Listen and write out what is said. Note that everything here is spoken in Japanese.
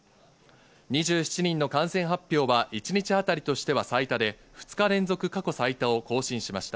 ２７人の感染発表は一日当たりとしては最多で、２日連続過去最多を更新しました。